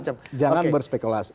jadi jangan berspekulasi